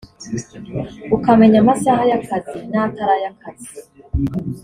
ukamenya amasaha y’akazi n’atari ay’akazi